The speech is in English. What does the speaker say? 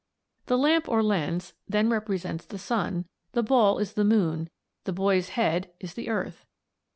1). The lamp or lens then represents the sun, the ball is the moon, the boy's head is the earth.